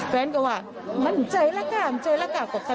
แฟนก็ว่ามันใจละก่ะมันใจละก่ะ